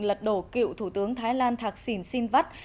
lật đổ cựu thủ tướng thái lan thạc sìn sin vắt